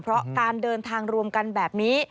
เพราะการเดินทางรวมกันแบบนี้